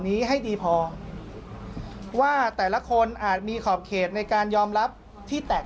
นี้ให้ดีพอว่าแต่ละคนอาจมีขอบเขตในการยอมรับที่แตก